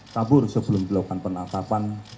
kabur sebelum dilakukan penangkapan